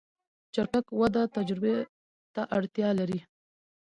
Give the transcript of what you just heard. چټک وده تجربه ته اړتیا لري.